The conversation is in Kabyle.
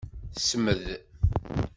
Smed.